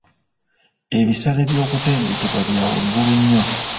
Ebisale by'okutendekebwa bya waggulu nnyo.